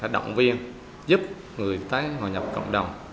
động viên giúp người tái hòa nhập cộng đồng